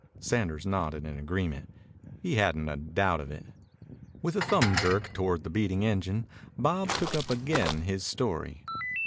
Sanders nodded agreement. He hadn't a doubt of it. With a thumb jerk toward the beating engine, Bob took up again his story.